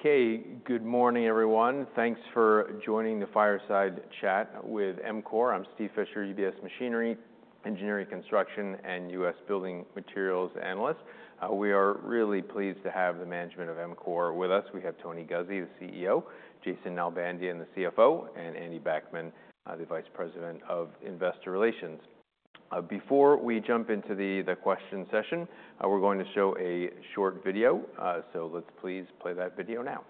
Okay, good morning, everyone. Thanks for joining the Fireside Chat with EMCOR. I'm Steve Fisher, UBS Machinery, Engineering Construction, and US Building Materials Analyst. We are really pleased to have the management of EMCOR with us. We have Tony Guzzi, the CEO, Jason Nalbandian, the CFO, and Andy Backman, the Vice President of Investor Relations. Before we jump into the question session, we're going to show a short video, so let's please play that video now.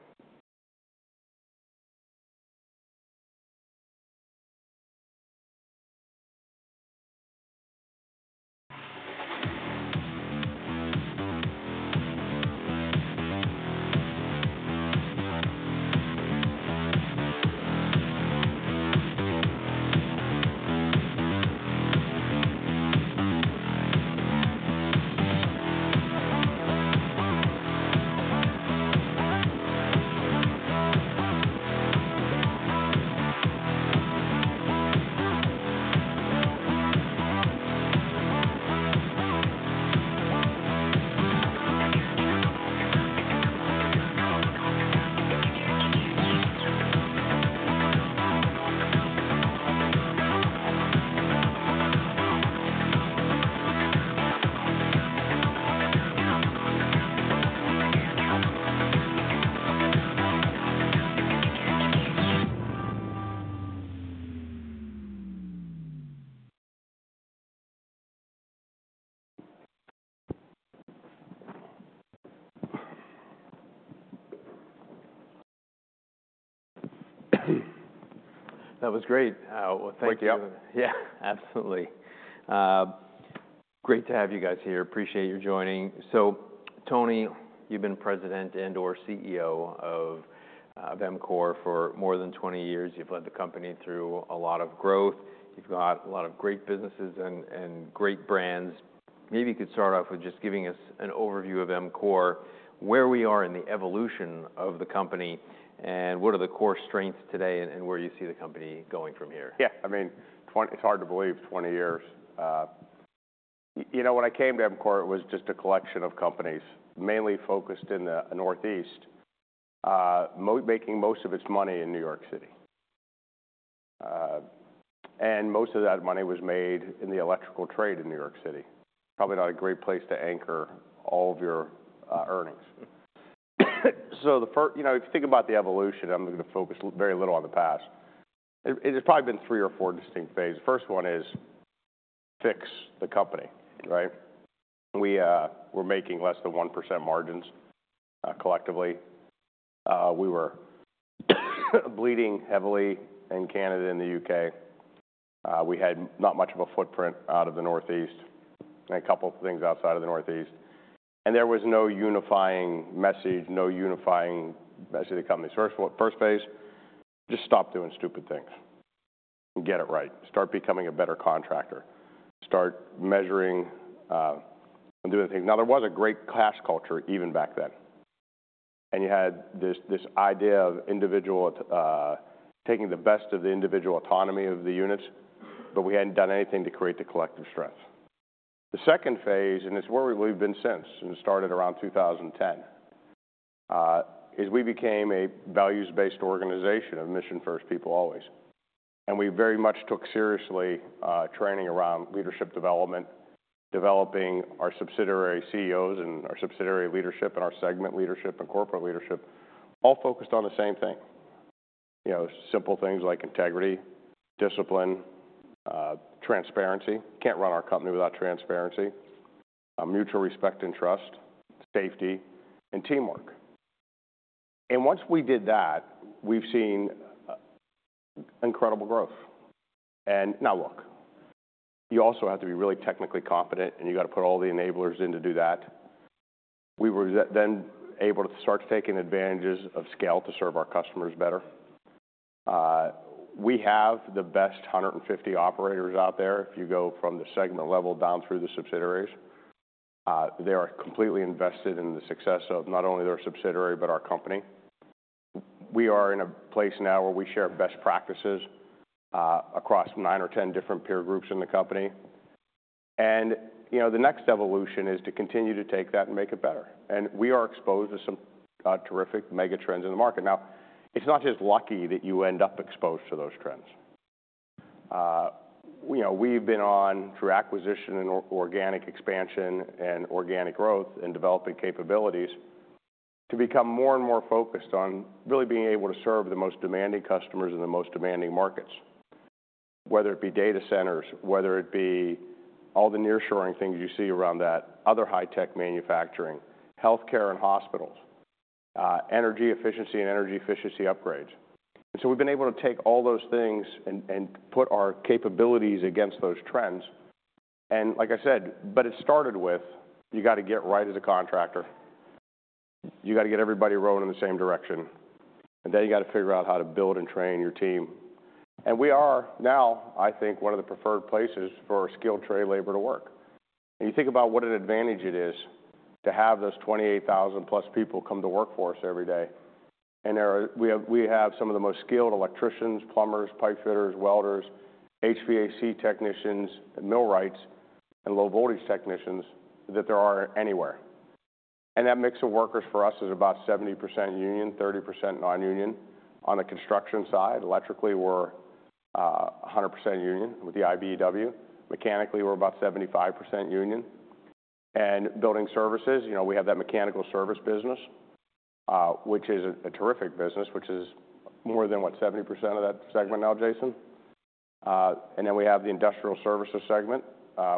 That was great. Well, thanks, everyone. Thank you. Yeah, absolutely. Great to have you guys here. Appreciate your joining. So, Tony, you've been president and/or CEO of EMCOR for more than 20 years. You've led the company through a lot of growth. You've got a lot of great businesses and great brands. Maybe you could start off with just giving us an overview of EMCOR, where we are in the evolution of the company, and what are the core strengths today and where you see the company going from here? Yeah, I mean, it's hard to believe 20 years. You know, when I came to EMCOR, it was just a collection of companies, mainly focused in the Northeast, making most of its money in New York City. And most of that money was made in the electrical trade in New York City. Probably not a great place to anchor all of your earnings. So the first, you know, if you think about the evolution, I'm going to focus very little on the past. It has probably been three or four distinct phases. The first one is fix the company, right? We were making less than 1% margins collectively. We were bleeding heavily in Canada and the UK. We had not much of a footprint out of the Northeast, and a couple of things outside of the Northeast. And there was no unifying message, no unifying message of the company. the first phase: just stop doing stupid things. Get it right. Start becoming a better contractor. Start measuring and doing things. Now, there was a great classic culture even back then. And you had this idea of individuals taking the best of the individual autonomy of the units, but we hadn't done anything to create the collective strength. The second phase, and it's where we've been since, and it started around 2010, is we became a values-based organization of mission-first people always. And we very much took seriously training around leadership development, developing our subsidiary CEOs and our subsidiary leadership and our segment leadership and corporate leadership, all focused on the same thing. You know, simple things like integrity, discipline, transparency. You can't run our company without transparency. Mutual respect and trust, safety, and teamwork. And once we did that, we've seen incredible growth. And now, look, you also have to be really technically competent, and you've got to put all the enablers in to do that. We were then able to start taking advantages of scale to serve our customers better. We have the best 150 operators out there, if you go from the segment level down through the subsidiaries. They are completely invested in the success of not only their subsidiary, but our company. We are in a place now where we share best practices across nine or ten different peer groups in the company. And, you know, the next evolution is to continue to take that and make it better. And we are exposed to some terrific megatrends in the market. Now, it's not just lucky that you end up exposed to those trends. You know, we've been on, through acquisition and organic expansion and organic growth and developing capabilities, to become more and more focused on really being able to serve the most demanding customers in the most demanding markets, whether it be data centers, whether it be all the nearshoring things you see around that, other high-tech manufacturing, healthcare and hospitals, energy efficiency and energy efficiency upgrades, and so we've been able to take all those things and put our capabilities against those trends, and like I said, but it started with you've got to get right as a contractor, you've got to get everybody rowing in the same direction, and then you've got to figure out how to build and train your team, and we are now, I think, one of the preferred places for skilled trade labor to work. You think about what an advantage it is to have those 28,000+ people come to work for us every day. We have some of the most skilled electricians, plumbers, pipefitters, welders, HVAC technicians, millwrights, and low-voltage technicians that there are anywhere. That mix of workers for us is about 70% union, 30% non-union. On the construction side, electrically, we're 100% union with the IBEW. Mechanically, we're about 75% union. Building services, you know, we have that mechanical service business, which is a terrific business, which is more than, what, 70% of that segment now, Jason? Then we have the industrial services segment,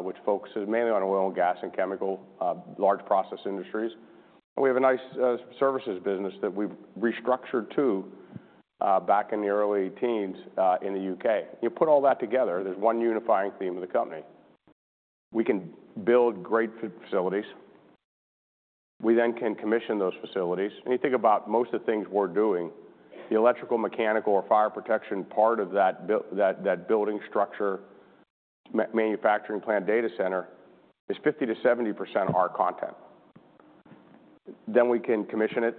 which focuses mainly on oil and gas and chemical large process industries. We have a nice services business that we restructured back in the early teens in the U.K. You put all that together, there's one unifying theme of the company. We can build great facilities. We then can commission those facilities, and you think about most of the things we're doing, the electrical, mechanical, or fire protection part of that building structure, manufacturing plant, data center is 50% to 70% our content, then we can commission it,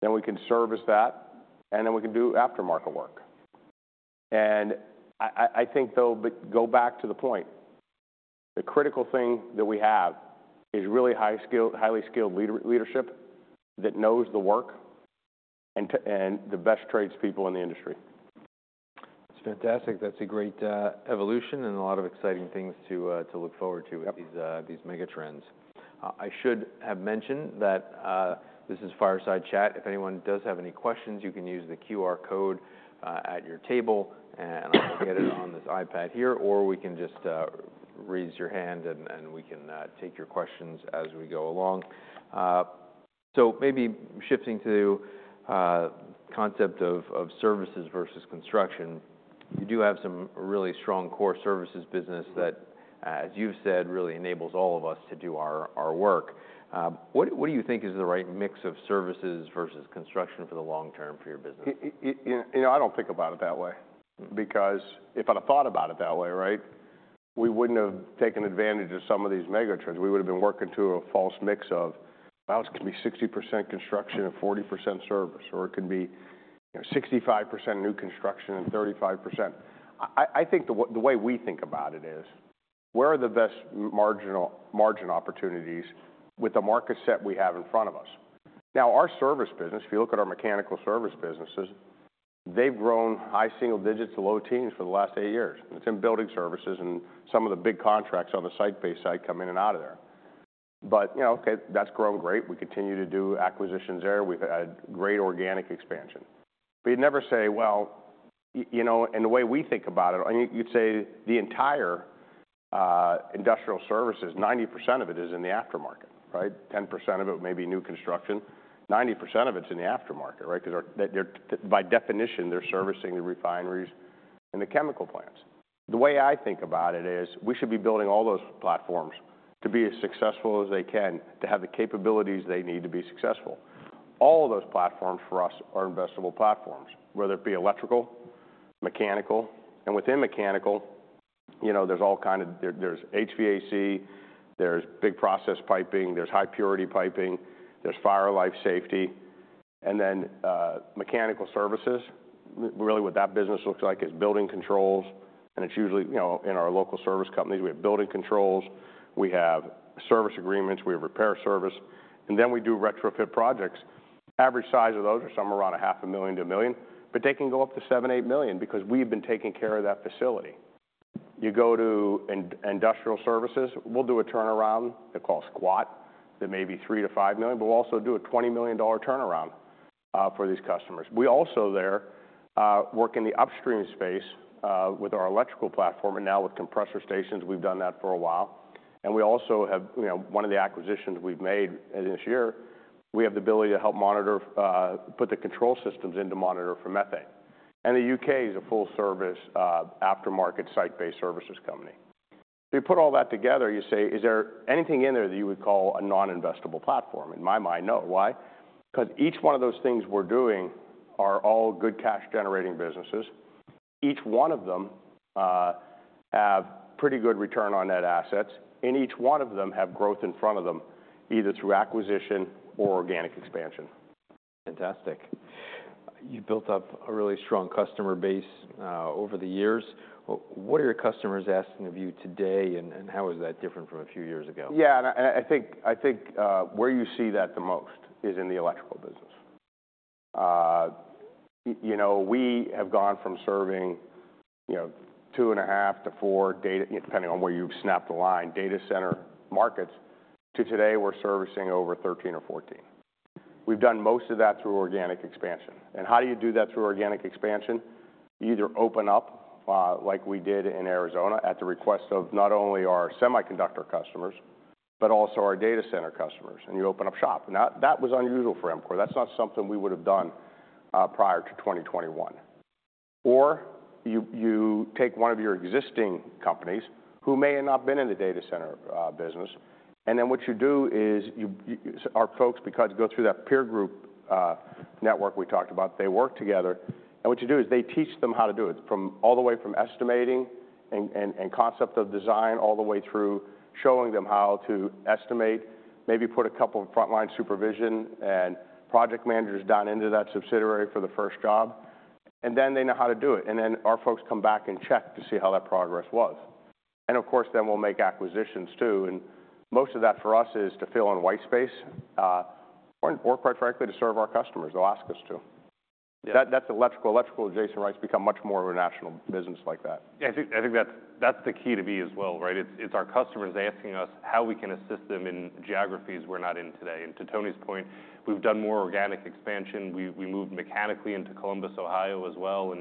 then we can service that, and then we can do aftermarket work, and I think, though, go back to the point, the critical thing that we have is really highly skilled leadership that knows the work and the best tradespeople in the industry. That's fantastic. That's a great evolution and a lot of exciting things to look forward to with these megatrends. I should have mentioned that this is fireside chat. If anyone does have any questions, you can use the QR code at your table, and I'll get it on this iPad here, or we can just raise your hand and we can take your questions as we go along. So maybe shifting to the concept of services versus construction, you do have some really strong core services business that, as you've said, really enables all of us to do our work. What do you think is the right mix of services versus construction for the long term for your business? You know, I don't think about it that way. Because if I'd have thought about it that way, right, we wouldn't have taken advantage of some of these megatrends. We would have been working to a false mix of, well, it can be 60% construction and 40% service, or it could be 65% new construction and 35%. I think the way we think about it is, where are the best margin opportunities with the market set we have in front of us? Now, our service business, if you look at our mechanical service businesses, they've grown high single digits to low teens for the last eight years. It's in building services and some of the big contracts on the site-based side come in and out of there. But, you know, okay, that's grown great. We continue to do acquisitions there. We've had great organic expansion. But you'd never say, well, you know, in the way we think about it, you'd say the entire industrial services, 90% of it is in the aftermarket, right? 10% of it may be new construction. 90% of it's in the aftermarket, right? Because by definition, they're servicing the refineries and the chemical plants. The way I think about it is we should be building all those platforms to be as successful as they can, to have the capabilities they need to be successful. All of those platforms for us are investable platforms, whether it be electrical, mechanical, and within mechanical, you know, there's all kinds of, there's HVAC, there's big process piping, there's high-purity piping, there's fire life safety. And then mechanical services. Really what that business looks like is building controls, and it's usually, you know, in our local service companies, we have building controls, we have service agreements, we have repair service, and then we do retrofit projects. Average size of those are somewhere around $500,000 to $1 million, but they can go up to $7 to $8 million because we've been taking care of that facility. You go to industrial services, we'll do a turnaround, they're called spot, that may be $3 to $5 million, but we'll also do a $20 million turnaround for these customers. We also there work in the upstream space with our electrical platform, and now with compressor stations, we've done that for a while. And we also have, you know, one of the acquisitions we've made this year. We have the ability to help monitor, put the control systems into monitor for methane. And the U.K. is a full-service aftermarket site-based services company. So you put all that together, you say, is there anything in there that you would call a non-investable platform? In my mind, no. Why? Because each one of those things we're doing are all good cash-generating businesses. Each one of them have pretty good return on net assets, and each one of them have growth in front of them, either through acquisition or organic expansion. Fantastic. You've built up a really strong customer base over the years. What are your customers asking of you today, and how is that different from a few years ago? Yeah, and I think where you see that the most is in the electrical business. You know, we have gone from serving, you know, two and a half to four, depending on where you've snapped the line, data center markets, to today we're servicing over 13 or 14. We've done most of that through organic expansion. And how do you do that through organic expansion? You either open up, like we did in Arizona, at the request of not only our semiconductor customers, but also our data center customers, and you open up shop. Now, that was unusual for EMCOR. That's not something we would have done prior to 2021. Or you take one of your existing companies who may have not been in the data center business, and then what you do is our folks, because go through that peer group network we talked about, they work together, and what you do is they teach them how to do it, all the way from estimating and concept of design, all the way through showing them how to estimate, maybe put a couple of frontline supervision and project managers down into that subsidiary for the first job, and then they know how to do it. And then our folks come back and check to see how that progress was. And of course, then we'll make acquisitions too, and most of that for us is to fill in white space or, quite frankly, to serve our customers. They'll ask us to. That's electrical. Electrical, Jason Nalbandian, has become much more of a national business like that. I think that's the key to me as well, right? It's our customers asking us how we can assist them in geographies we're not in today. And to Tony's point, we've done more organic expansion. We moved mechanically into Columbus, Ohio as well,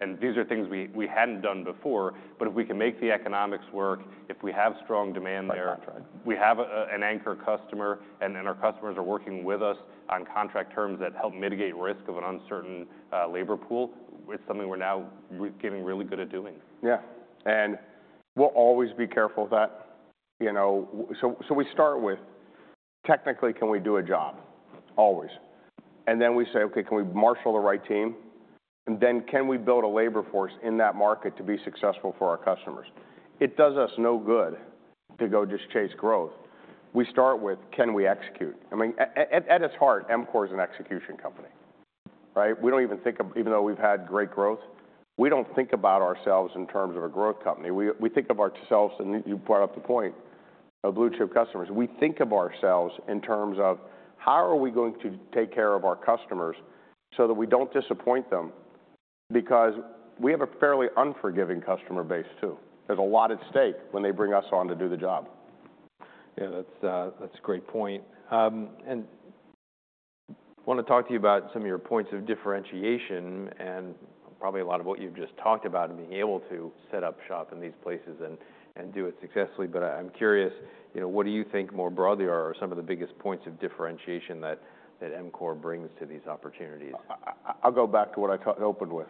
and these are things we hadn't done before, but if we can make the economics work, if we have strong demand there, we have an anchor customer, and our customers are working with us on contract terms that help mitigate risk of an uncertain labor pool, it's something we're now getting really good at doing. Yeah. And we'll always be careful that, you know, so we start with, technically, can we do a job? Always. And then we say, okay, can we marshal the right team? And then can we build a labor force in that market to be successful for our customers? It does us no good to go just chase growth. We start with, can we execute? I mean, at its heart, EMCOR is an execution company, right? We don't even think of, even though we've had great growth, we don't think about ourselves in terms of a growth company. We think of ourselves, and you brought up the point of blue-chip customers. We think of ourselves in terms of how are we going to take care of our customers so that we don't disappoint them? Because we have a fairly unforgiving customer base too. There's a lot at stake when they bring us on to do the job. Yeah, that's a great point, and I want to talk to you about some of your points of differentiation and probably a lot of what you've just talked about and being able to set up shop in these places and do it successfully, but I'm curious, you know, what do you think more broadly are some of the biggest points of differentiation that EMCOR brings to these opportunities? I'll go back to what I opened with.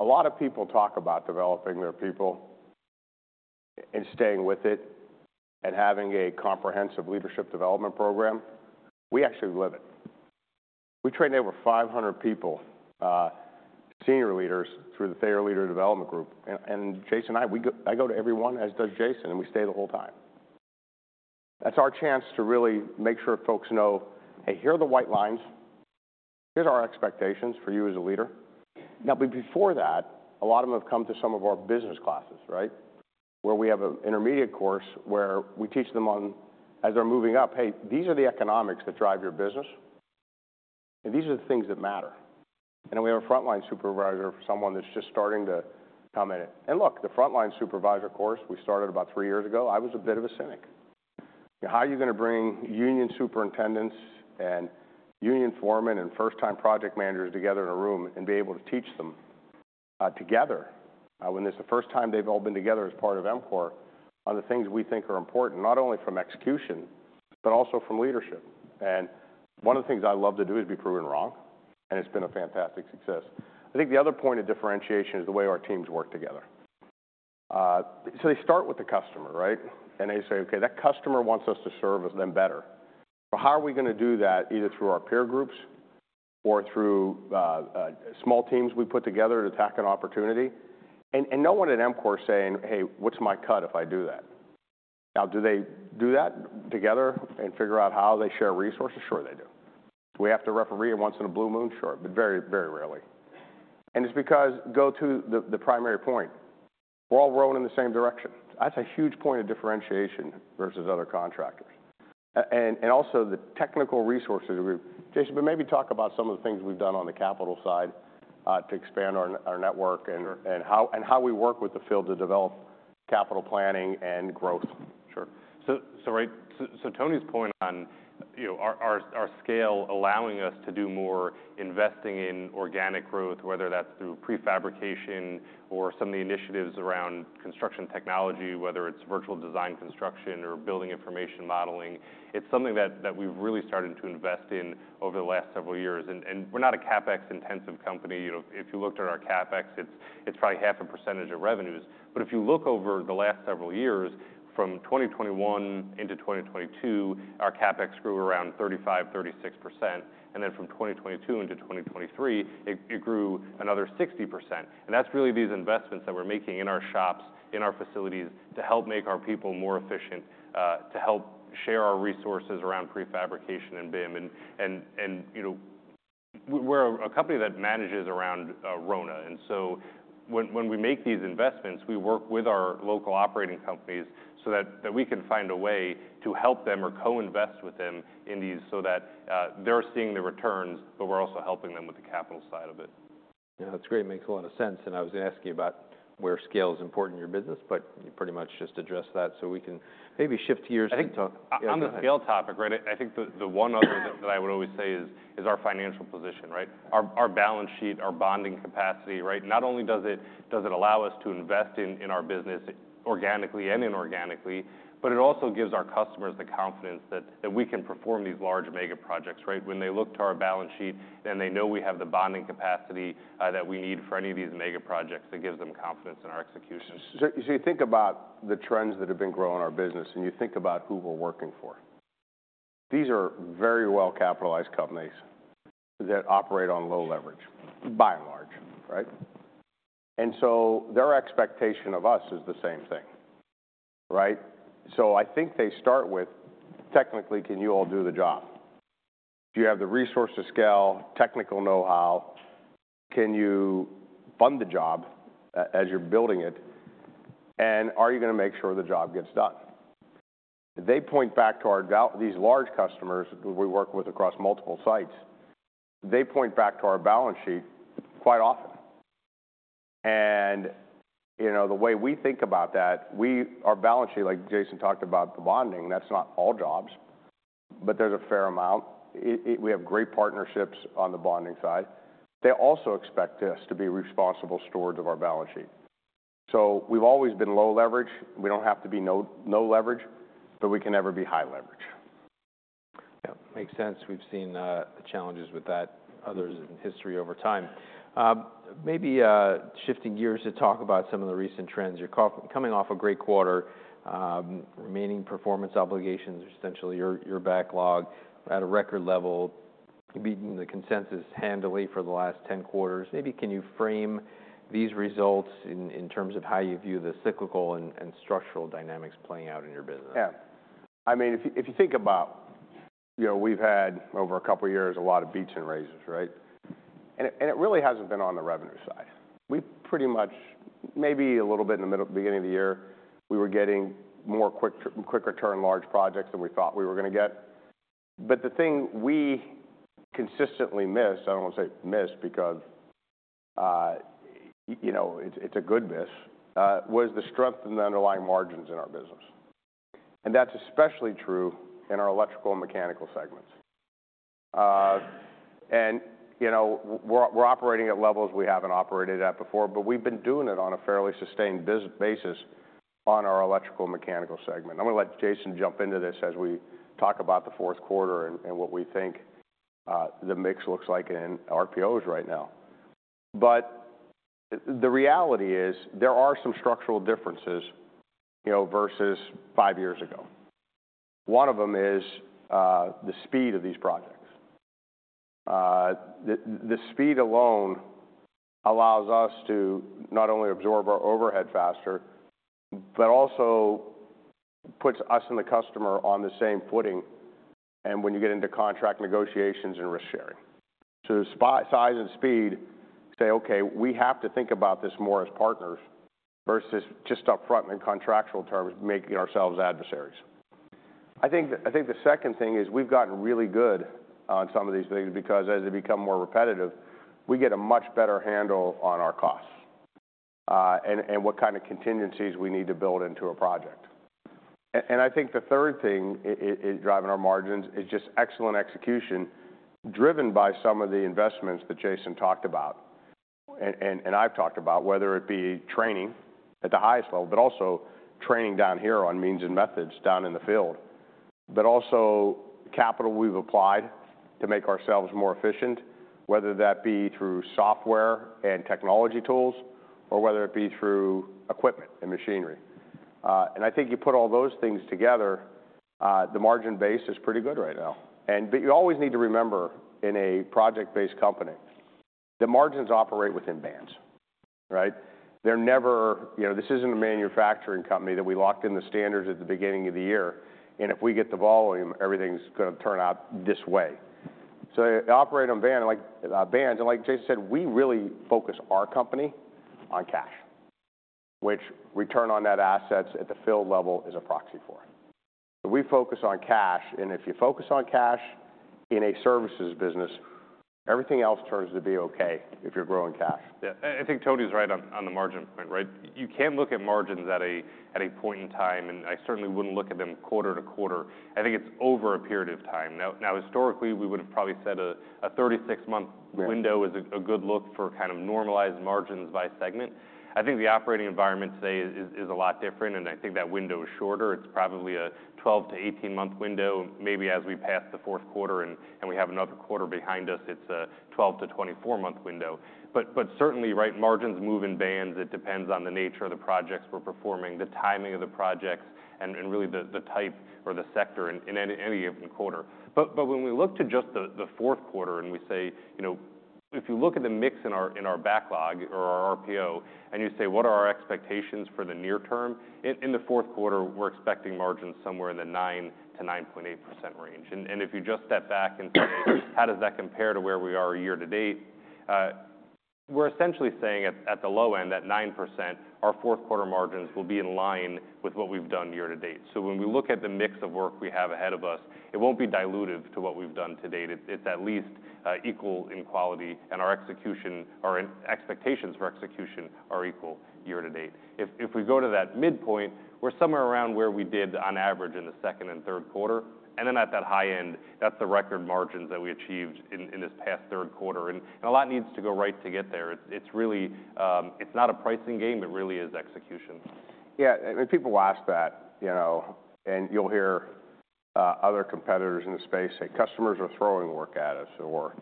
A lot of people talk about developing their people and staying with it and having a comprehensive leadership development program. We actually live it. We train over 500 people, senior leaders, through the Thayer Leader Development Group. And Jason and I, I go to everyone, as does Jason, and we stay the whole time. That's our chance to really make sure folks know, hey, here are the white lines. Here's our expectations for you as a leader. Now, before that, a lot of them have come to some of our business classes, right? Where we have an intermediate course where we teach them on, as they're moving up, hey, these are the economics that drive your business, and these are the things that matter. And then we have a frontline supervisor for someone that's just starting to come in. And look, the frontline supervisor course, we started about three years ago. I was a bit of a cynic. How are you going to bring union superintendents and union foremen and first-time project managers together in a room and be able to teach them together when it's the first time they've all been together as part of EMCOR on the things we think are important, not only from execution, but also from leadership? And one of the things I love to do is be proven wrong, and it's been a fantastic success. I think the other point of differentiation is the way our teams work together. So they start with the customer, right? And they say, okay, that customer wants us to serve them better. But how are we going to do that either through our peer groups or through small teams we put together to tackle an opportunity? And no one at EMCOR is saying, hey, what's my cut if I do that? Now, do they do that together and figure out how they share resources? Sure, they do. We have to referee once in a blue moon short, but very, very rarely. And it's because go to the primary point. We're all rowing in the same direction. That's a huge point of differentiation versus other contractors. And also the technical resources we've, Jason, but maybe talk about some of the things we've done on the capital side to expand our network and how we work with the field to develop capital planning and growth. Sure. So Tony's point on, you know, our scale allowing us to do more investing in organic growth, whether that's through prefabrication or some of the initiatives around construction technology, whether it's Virtual Design and Construction or Building Information Modeling, it's something that we've really started to invest in over the last several years, and we're not a CapEx-intensive company. You know, if you looked at our CapEx, it's probably 0.5% of revenues. But if you look over the last several years, from 2021 into 2022, our CapEx grew around 35%, 36%, and then from 2022 into 2023, it grew another 60%. And that's really these investments that we're making in our shops, in our facilities, to help make our people more efficient, to help share our resources around prefabrication and BIM. And, you know, we're a company that manages around RONA. and so when we make these investments, we work with our local operating companies so that we can find a way to help them or co-invest with them in these so that they're seeing the returns, but we're also helping them with the capital side of it. Yeah. That's great. Makes a lot of sense, and I was going to ask you about where scale is important in your business, but you pretty much just addressed that, so we can maybe shift gears to. I think on the scale topic, right? I think the one other that I would always say is our financial position, right? Our balance sheet, our bonding capacity, right? Not only does it allow us to invest in our business organically and inorganically, but it also gives our customers the confidence that we can perform these large megaprojects, right? When they look to our balance sheet and they know we have the bonding capacity that we need for any of these megaprojects, it gives them confidence in our execution. So you think about the trends that have been growing in our business and you think about who we're working for. These are very well-capitalized companies that operate on low leverage, by and large, right? And so their expectation of us is the same thing, right? So I think they start with, technically, can you all do the job? Do you have the resource to scale, technical know-how? Can you fund the job as you're building it, and are you going to make sure the job gets done? They point back to us. These large customers who we work with across multiple sites point back to our balance sheet quite often, and, you know, the way we think about that, our balance sheet, like Jason talked about the bonding, that's not all jobs, but there's a fair amount. We have great partnerships on the bonding side. They also expect us to be responsible stewards of our balance sheet. So we've always been low leverage. We don't have to be no leverage, but we can never be high leverage. Yeah, makes sense. We've seen challenges with that, others in history over time. Maybe shifting gears to talk about some of the recent trends. You're coming off a great quarter. Remaining performance obligations are essentially your backlog at a record level, beating the consensus handily for the last 10 quarters. Maybe can you frame these results in terms of how you view the cyclical and structural dynamics playing out in your business? Yeah. I mean, if you think about, you know, we've had over a couple of years a lot of beats and raises, right? And it really hasn't been on the revenue side. We pretty much, maybe a little bit in the beginning of the year, we were getting more quick return large projects than we thought we were going to get. But the thing we consistently miss, I don't want to say miss because, you know, it's a good miss, was the strength in the underlying margins in our business. And that's especially true in our electrical and mechanical segments. And, you know, we're operating at levels we haven't operated at before, but we've been doing it on a fairly sustained basis on our electrical and mechanical segment. I'm going to let Jason jump into this as we talk about the fourth quarter and what we think the mix looks like in RPOs right now, but the reality is there are some structural differences, you know, versus five years ago. One of them is the speed of these projects. The speed alone allows us to not only absorb our overhead faster, but also puts us and the customer on the same footing when you get into contract negotiations and risk sharing, so size and speed say, okay, we have to think about this more as partners versus just upfront in contractual terms, making ourselves adversaries. I think the second thing is we've gotten really good on some of these things because as they become more repetitive, we get a much better handle on our costs and what kind of contingencies we need to build into a project. And I think the third thing driving our margins is just excellent execution driven by some of the investments that Jason talked about and I've talked about, whether it be training at the highest level, but also training down here on means and methods down in the field, but also capital we've applied to make ourselves more efficient, whether that be through software and technology tools or whether it be through equipment and machinery. And I think you put all those things together, the margin base is pretty good right now. But you always need to remember in a project-based company, the margins operate within bands, right? They're never, you know, this isn't a manufacturing company that we locked in the standards at the beginning of the year, and if we get the volume, everything's going to turn out this way. So they operate on bands. Like Jason said, we really focus our company on cash, which return on net assets at the field level is a proxy for. We focus on cash, and if you focus on cash in a services business, everything else turns out to be okay if you're growing cash. Yeah. I think Tony's right on the margin point, right? You can't look at margins at a point in time, and I certainly wouldn't look at them quarter to quarter. I think it's over a period of time. Now, historically, we would have probably said a 36-month window is a good look for kind of normalized margins by segment. I think the operating environment today is a lot different, and I think that window is shorter. It's probably a 12 to 18-month window. Maybe as we pass the fourth quarter and we have another quarter behind us, it's a 12 to 24-month window. But certainly, right, margins move in bands. It depends on the nature of the projects we're performing, the timing of the projects, and really the type or the sector in any given quarter. But when we look to just the fourth quarter and we say, you know, if you look at the mix in our backlog or our RPO and you say, what are our expectations for the near term, in the fourth quarter, we're expecting margins somewhere in the 9%-9.8% range. And if you just step back and say, how does that compare to where we are year to date? We're essentially saying at the low end that 9%, our fourth quarter margins will be in line with what we've done year to date. So when we look at the mix of work we have ahead of us, it won't be dilutive to what we've done to date. It's at least equal in quality, and our expectations for execution are equal year to date. If we go to that midpoint, we're somewhere around where we did on average in the second and third quarter. And then at that high end, that's the record margins that we achieved in this past third quarter. And a lot needs to go right to get there. It's really, it's not a pricing game, it really is execution. Yeah. If people ask that, you know, and you'll hear other competitors in the space say, customers are throwing work at us or,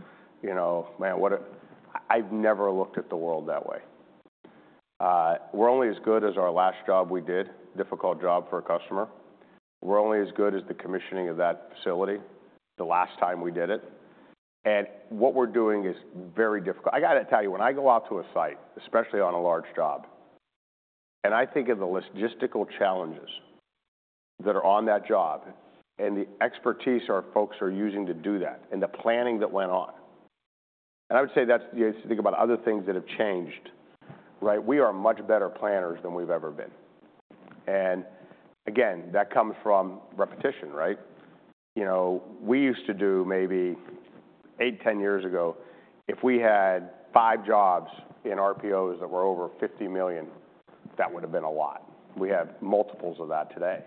you know, man, what a, I've never looked at the world that way. We're only as good as our last job we did, difficult job for a customer. We're only as good as the commissioning of that facility the last time we did it. And what we're doing is very difficult. I got to tell you, when I go out to a site, especially on a large job, and I think of the logistical challenges that are on that job and the expertise our folks are using to do that and the planning that went on. And I would say that's to think about other things that have changed, right? We are much better planners than we've ever been. And again, that comes from repetition, right? You know, we used to do maybe eight, 10 years ago, if we had five jobs in RPOs that were over $50 million, that would have been a lot. We have multiples of that today.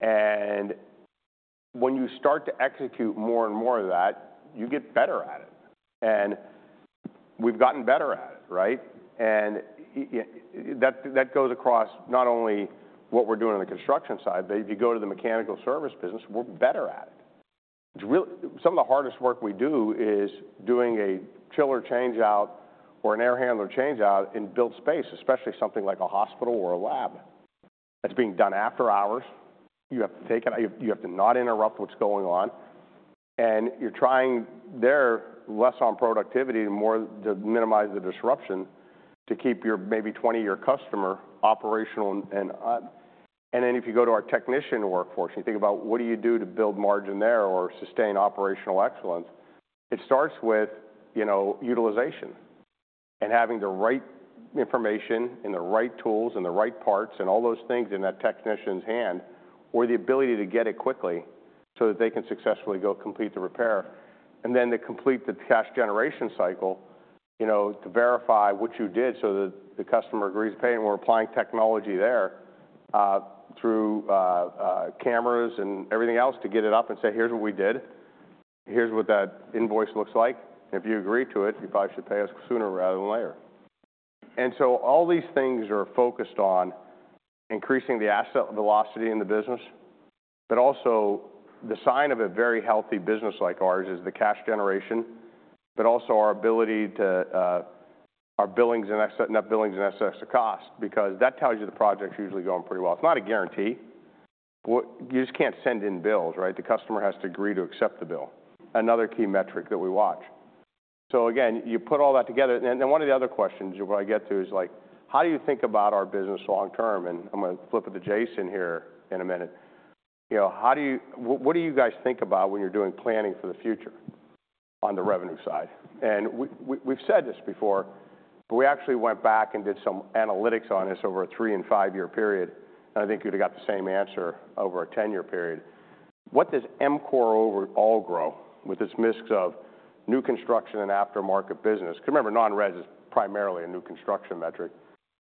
And when you start to execute more and more of that, you get better at it. And we've gotten better at it, right? And that goes across not only what we're doing on the construction side, but if you go to the mechanical service business, we're better at it. Some of the hardest work we do is doing a chiller changeout or an air handler changeout in built space, especially something like a hospital or a lab. That's being done after hours. You have to take it, you have to not interrupt what's going on. And you're trying there less on productivity and more to minimize the disruption to keep your maybe 20-year customer operational. And then if you go to our technician workforce and you think about what do you do to build margin there or sustain operational excellence, it starts with, you know, utilization and having the right information and the right tools and the right parts and all those things in that technician's hand or the ability to get it quickly so that they can successfully go complete the repair. And then to complete the cash generation cycle, you know, to verify what you did so that the customer agrees to pay. And we're applying technology there through cameras and everything else to get it up and say, here's what we did, here's what that invoice looks like. And if you agree to it, you probably should pay us sooner rather than later. And so all these things are focused on increasing the asset velocity in the business, but also the sign of a very healthy business like ours is the cash generation, but also our ability to our billings and net billings and excess of costs because that tells you the project's usually going pretty well. It's not a guarantee. You just can't send in bills, right? The customer has to agree to accept the bill, another key metric that we watch. So again, you put all that together. And then one of the other questions you'll probably get to is like, how do you think about our business long term? And I'm going to flip it to Jason here in a minute. You know, what do you guys think about when you're doing planning for the future on the revenue side? We've said this before, but we actually went back and did some analytics on this over a three and five-year period. I think you'd have got the same answer over a 10-year period. What does EMCOR overall grow with its mix of new construction and aftermarket business? Because remember, non-res is primarily a new construction metric.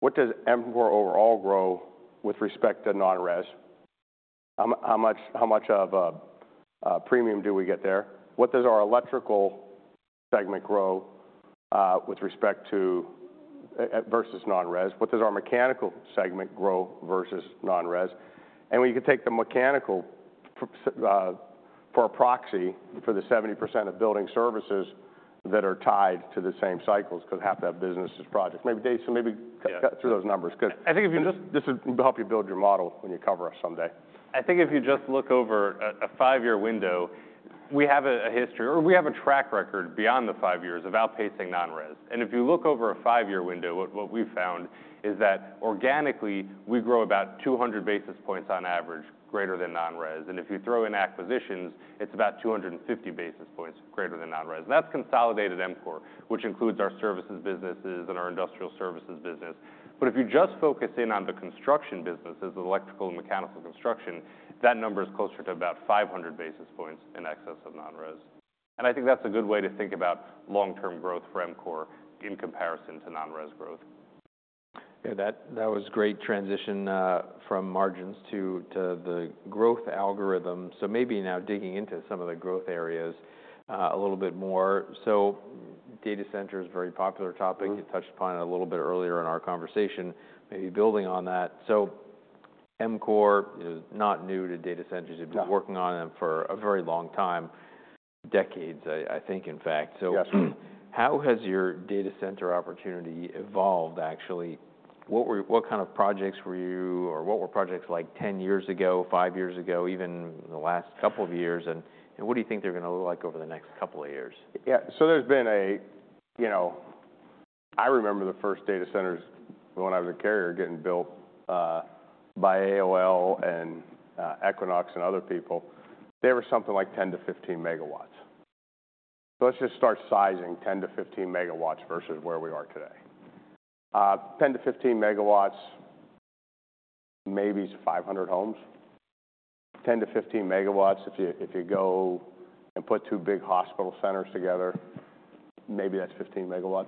What does EMCOR overall grow with respect to non-res? How much of a premium do we get there? What does our electrical segment grow with respect to versus non-res? What does our mechanical segment grow versus non-res? We could take the mechanical for a proxy for the 70% of building services that are tied to the same cycles because half that business is projects. Maybe Jason, maybe walk through those numbers because I think if you just this will help you build your model when you cover us someday. I think if you just look over a five-year window, we have a history or we have a track record beyond the five years of outpacing non-res, and if you look over a five-year window, what we've found is that organically we grow about 200 bps on average greater than non-res, and if you throw in acquisitions, it's about 250 bps greater than non-res. That's consolidated EMCOR, which includes our services businesses and our industrial services business, but if you just focus in on the construction businesses, electrical and mechanical construction, that number is closer to about 500 bps in excess of non-res, and I think that's a good way to think about long-term growth for EMCOR in comparison to non-res growth. Yeah. That was a great transition from margins to the growth algorithm. So maybe now digging into some of the growth areas a little bit more. Data center is a very popular topic. You touched upon it a little bit earlier in our conversation. Maybe building on that. EMCOR is not new to data centers. You've been working on them for a very long time, decades, I think in fact. So how has your data center opportunity evolved actually? What kind of projects were you or what were projects like 10 years ago, five years ago, even the last couple of years? And what do you think they're going to look like over the next couple of years? Yeah. So there's been a, you know, I remember the first data centers when I was at Carrier getting built by AOL and Equinix and other people. They were something like 10 MW to 15 MW. So let's just start sizing 10 MW to 15 MW versus where we are today. 10 MW to 15 MW maybe is 500 homes. 10 MW to 15 MW, if you go and put two big hospital centers together, maybe that's 15 MW.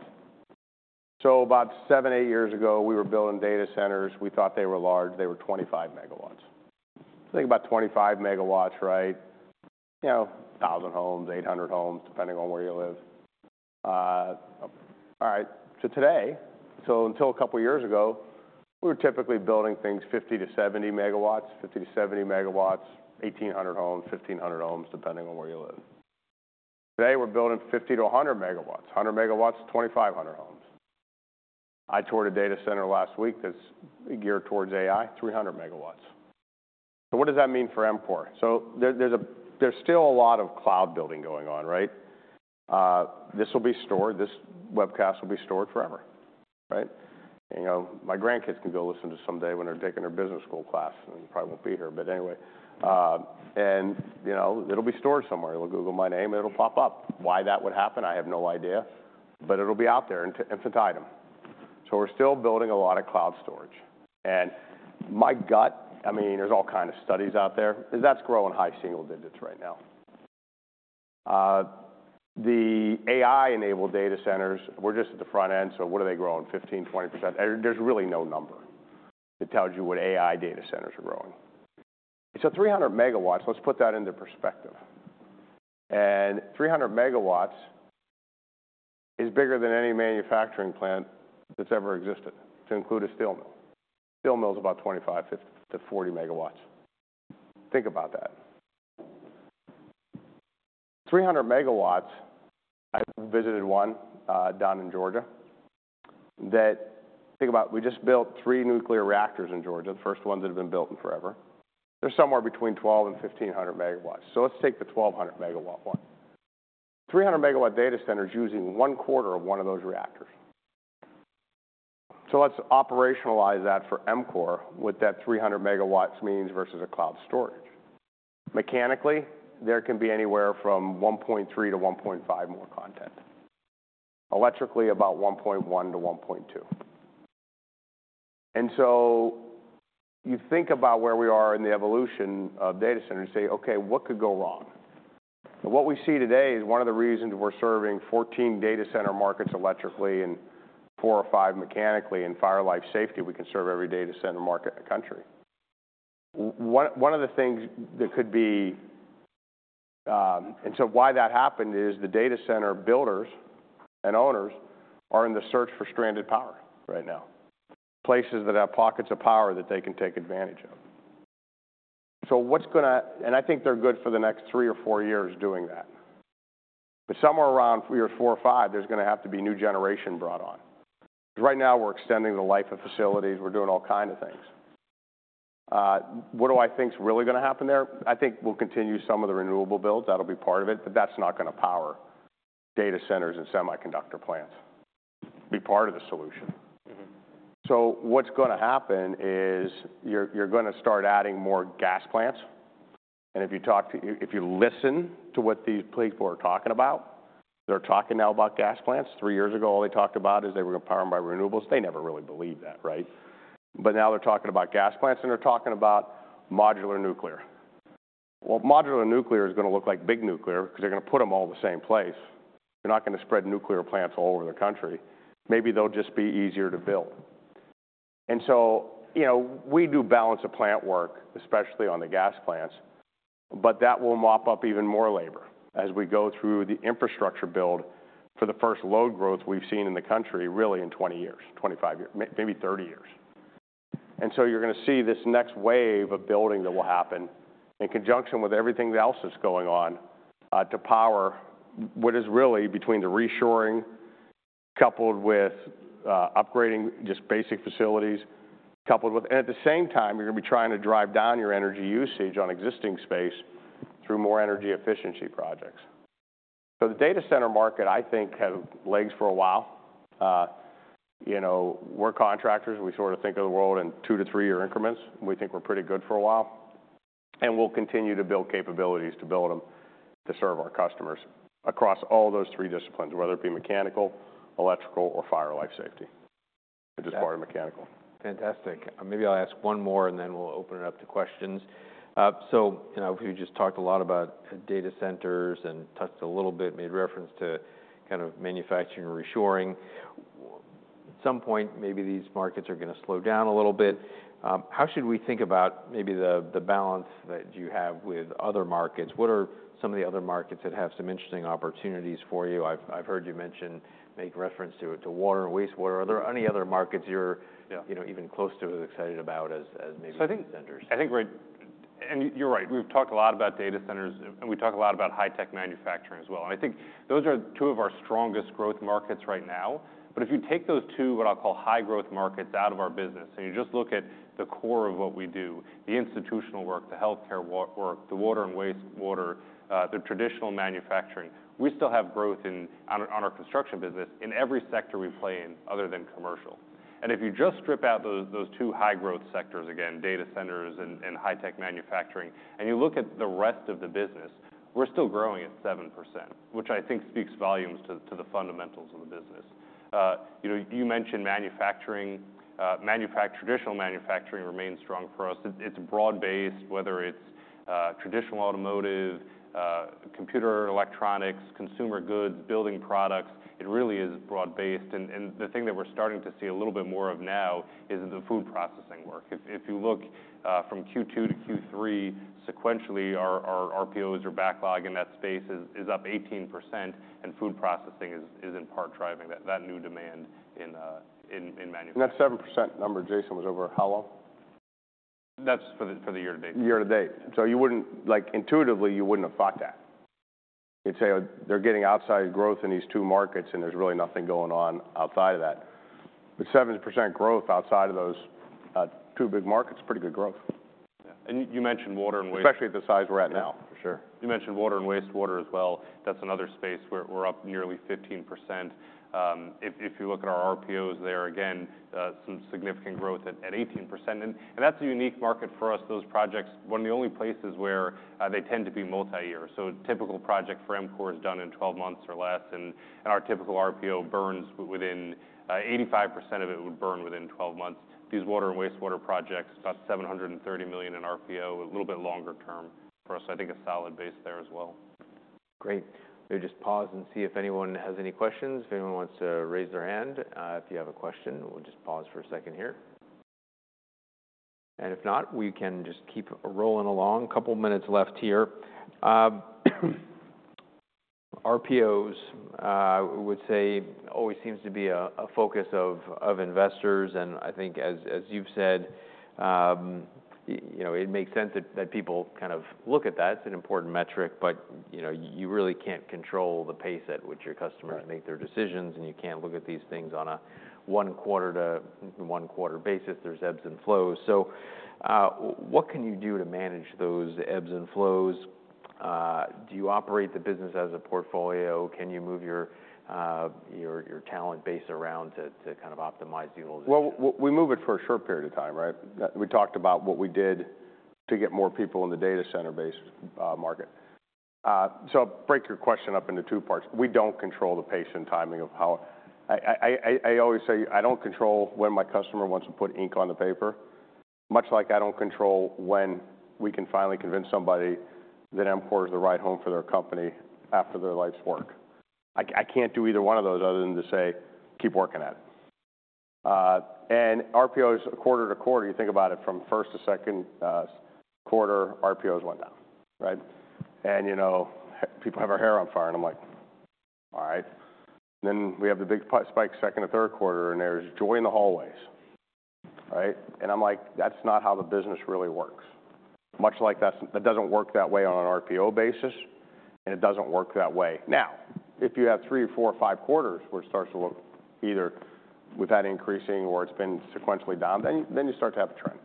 So about seven, eight years ago, we were building data centers. We thought they were large. They were 25 MW. So think about 25 MW, right? You know, 1,000 homes, 800 homes, depending on where you live. All right. So today, so until a couple of years ago, we were typically building things 50 MW to 70 MW, 1,800 homes, 1,500 homes, depending on where you live. Today we're building 50 MW to 100 MW, 100 MW, 2,500 homes. I toured a data center last week that's geared towards AI, 300 MW. So what does that mean for EMCOR? So there's still a lot of cloud building going on, right? This will be stored. This webcast will be stored forever, right? You know, my grandkids can go listen to someday when they're taking their business school class and probably won't be here, but anyway. And you know, it'll be stored somewhere. It'll Google my name and it'll pop up. Why that would happen, I have no idea, but it'll be out there and to infinity and. So we're still building a lot of cloud storage. And my gut, I mean, there's all kinds of studies out there is that's growing high single digits right now. The AI-enabled data centers, we're just at the front end, so what are they growing? 15% to 20%. There's really no number that tells you what AI data centers are growing. So 300 MW, let's put that into perspective. And 300 MW is bigger than any manufacturing plant that's ever existed to include a steel mill. Steel mill is about 25 MW to 40 MW. Think about that. 300 MW, I visited one down in Georgia that think about we just built three nuclear reactors in Georgia, the first ones that have been built in forever. They're somewhere between 1,200 and 1,500 MW. So let's take the 1,200 MW one. 300 MW data centers using one quarter of one of those reactors. So let's operationalize that for EMCOR with that 300 MW means versus a cloud storage. Mechanically, there can be anywhere from 1.3 to 1.5 more content. Electrically, about 1.1 to 1.2. And so you think about where we are in the evolution of data centers and say, okay, what could go wrong? And what we see today is one of the reasons we're serving 14 data center markets electrically and four or five mechanically and fire life safety. We can serve every data center market in the country. One of the things that could be, and so why that happened is the data center builders and owners are in the search for stranded power right now, places that have pockets of power that they can take advantage of. So what's going to, and I think they're good for the next three or four years doing that. But somewhere around years four or five, there's going to have to be new generation brought on. Right now we're extending the life of facilities. We're doing all kinds of things. What do I think's really going to happen there? I think we'll continue some of the renewable builds. That'll be part of it, but that's not going to power data centers and semiconductor plants. Be part of the solution. So what's going to happen is you're going to start adding more gas plants. And if you talk to, if you listen to what these people are talking about, they're talking now about gas plants. Three years ago, all they talked about is they were going to power them by renewables. They never really believed that, right? But now they're talking about gas plants and they're talking about modular nuclear. Well, modular nuclear is going to look like big nuclear because they're going to put them all in the same place. They're not going to spread nuclear plants all over the country. Maybe they'll just be easier to build. And so, you know, we do Balance of Plant work, especially on the gas plants, but that will mop up even more labor as we go through the infrastructure build for the first load growth we've seen in the country really in 20 years, 25 years, maybe 30 years. And so you're going to see this next wave of building that will happen in conjunction with everything else that's going on to power what is really between the reshoring coupled with upgrading just basic facilities coupled with, and at the same time, you're going to be trying to drive down your energy usage on existing space through more energy efficiency projects. So the data center market, I think, has legs for a while. You know, we're contractors. We sort of think of the world in two to three-year increments. We think we're pretty good for a while, and we'll continue to build capabilities to build them to serve our customers across all those three disciplines, whether it be mechanical, electrical, or fire life safety, which is part of mechanical. Fantastic. Maybe I'll ask one more and then we'll open it up to questions. So you know, we just talked a lot about data centers and touched a little bit, made reference to kind of manufacturing and reshoring. At some point, maybe these markets are going to slow down a little bit. How should we think about maybe the balance that you have with other markets? What are some of the other markets that have some interesting opportunities for you? I've heard you mention make reference to water and wastewater. Are there any other markets you're even close to as excited about as maybe data centers? I think we're, and you're right. We've talked a lot about data centers and we talk a lot about high-tech manufacturing as well. And I think those are two of our strongest growth markets right now. But if you take those two, what I'll call high-growth markets out of our business and you just look at the core of what we do, the institutional work, the healthcare work, the water and wastewater, the traditional manufacturing, we still have growth in our construction business in every sector we play in other than commercial. And if you just strip out those two high-growth sectors, again, data centers and high-tech manufacturing, and you look at the rest of the business, we're still growing at 7%, which I think speaks volumes to the fundamentals of the business. You mentioned manufacturing. Traditional manufacturing remains strong for us. It's broad-based, whether it's traditional automotive, computer electronics, consumer goods, building products. It really is broad-based, and the thing that we're starting to see a little bit more of now is the food processing work. If you look from Q2 to Q3 sequentially, our RPOs or backlog in that space is up 18%, and food processing is in part driving that new demand in manufacturing. That 7% number, Jason was over how long? That's for the year-to-date. Year-to-date. So you wouldn't, like, intuitively, you wouldn't have thought that. You'd say they're getting outside growth in these two markets and there's really nothing going on outside of that. But 7% growth outside of those two big markets, pretty good growth. Yeah, and you mentioned water and waste. Especially at the size we're at now. For sure. You mentioned water and wastewater as well. That's another space where we're up nearly 15%. If you look at our RPOs there, again, some significant growth at 18%. And that's a unique market for us. Those projects, one of the only places where they tend to be multi-year. So a typical project for EMCOR is done in 12 months or less. And our typical RPO burns within 85% of it would burn within 12 months. These water and wastewater projects, about $730 million in RPO, a little bit longer term for us. So I think a solid base there as well. Great. We'll just pause and see if anyone has any questions. If anyone wants to raise their hand, if you have a question, we'll just pause for a second here. And if not, we can just keep rolling along. Couple of minutes left here. RPOs, I would say, always seems to be a focus of investors. And I think as you've said, you know, it makes sense that people kind of look at that. It's an important metric, but you know, you really can't control the pace at which your customers make their decisions, and you can't look at these things on a one-quarter to one-quarter basis. There's ebbs and flows. So what can you do to manage those ebbs and flows? Do you operate the business as a portfolio? Can you move your talent base around to kind of optimize the utilization? We move it for a short period of time, right? We talked about what we did to get more people in the data center-based market. I'll break your question up into two parts. We don't control the pace and timing of how I always say I don't control when my customer wants to put ink on the paper, much like I don't control when we can finally convince somebody that EMCOR is the right home for their company after their life's work. I can't do either one of those other than to say, keep working at it. RPOs quarter to quarter, you think about it from first to second quarter, RPOs went down, right? You know, people have their hair on fire, and I'm like, all right. We have the big spike second to third quarter, and there's joy in the hallways, right? And I'm like, that's not how the business really works. Much like that doesn't work that way on an RPO basis, and it doesn't work that way. Now, if you have three, four, five quarters where it starts to look either with that increasing or it's been sequentially down, then you start to have a trend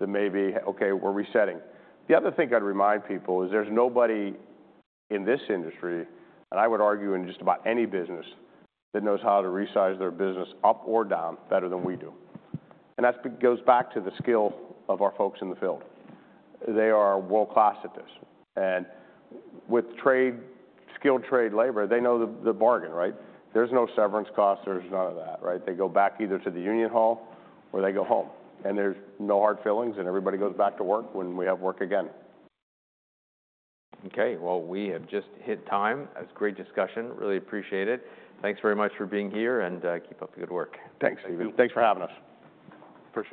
that may be, okay, we're resetting. The other thing I'd remind people is there's nobody in this industry, and I would argue in just about any business that knows how to resize their business up or down better than we do. And that goes back to the skill of our folks in the field. They are world-class at this. And with trade, skilled trade labor, they know the bargain, right? There's no severance costs. There's none of that, right? They go back either to the union hall or they go home. There's no hard feelings, and everybody goes back to work when we have work again. Okay. Well, we have just hit time. That's great discussion. Really appreciate it. Thanks very much for being here and keep up the good work. Thanks, Steve. Thanks for having us. For sure.